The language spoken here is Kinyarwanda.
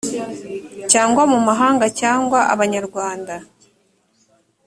cyangwa mu mahanga cyangwa abanyarwanda